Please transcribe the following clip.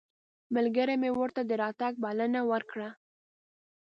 ملګري مې ورته د راتګ بلنه ورکړه.